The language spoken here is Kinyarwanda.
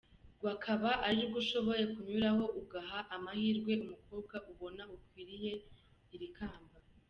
rw akaba ari rwo ushobora kunyuraho ugaha amahirwe umukobwa ubona ukwiriye iri kamba.